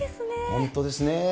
本当ですね。